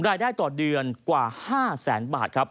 รายได้ต่อเดือนกว่า๕แสนบาทครับ